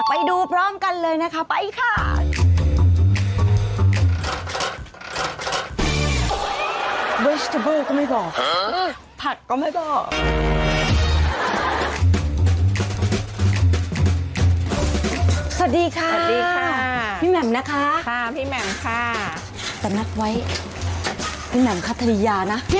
ไปดูพร้อมกันเลยนะคะไปค่ะ